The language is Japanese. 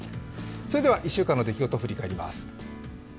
それでは一週間の出来事を振り返ります。